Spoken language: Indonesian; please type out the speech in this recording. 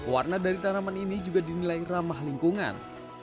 warna dari tanaman ini juga dinilai ramah lingkungan